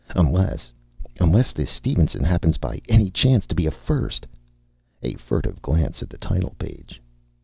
Unless unless this Stevenson happens by any chance to be a "first." A furtive glance at the title page.